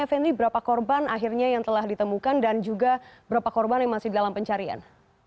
fnd berapa korban akhirnya yang telah ditemukan dan juga berapa korban yang masih dalam pencarian